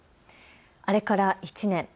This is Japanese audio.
あれから１年。